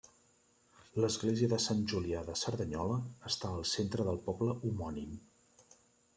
L'església de Sant Julià de Cerdanyola està al centre del poble homònim.